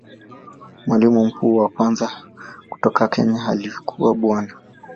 Mwalimu mkuu wa kwanza kutoka Kenya alikuwa Bwana.